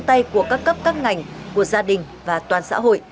tay của các cấp các ngành của gia đình và toàn xã hội